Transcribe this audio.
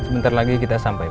sebentar lagi kita sampai